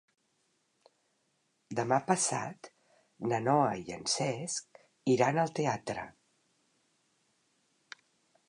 Demà passat na Noa i en Cesc iran al teatre.